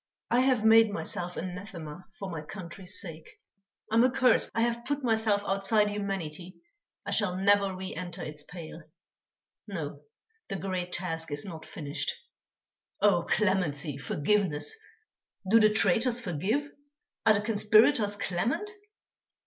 I have made myself anathema for my country's sake. I am accursed. I have put myself outside humanity; I shall never re enter its pale. No, the great task is not finished. Oh! clemency, forgiveness! Do the traitors forgive? Are the conspirators clement?